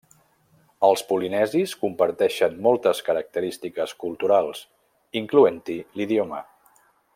Els polinesis comparteixen moltes característiques culturals, incloent-hi l'idioma.